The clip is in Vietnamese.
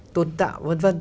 tôn tạo vân vân